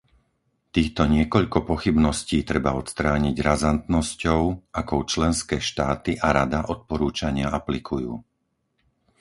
Týchto niekoľko pochybností treba odstrániť razantnosťou, akou členské štáty a Rada odporúčania aplikujú.